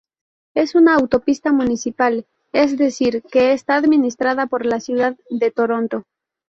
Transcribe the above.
Es una autopista municipal, es decir, que está administrada por la ciudad de Toronto.